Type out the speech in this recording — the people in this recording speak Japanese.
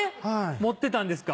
持ってたんですか？